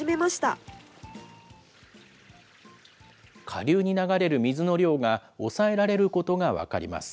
下流に流れる水の量が抑えられることが分かります。